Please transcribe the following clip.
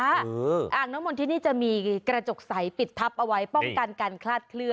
อ่างน้ำมนที่นี่จะมีกระจกใสปิดทับเอาไว้ป้องกันการคลาดเคลื